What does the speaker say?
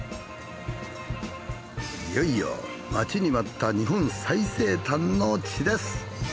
いよいよ待ちに待った日本最西端の地です。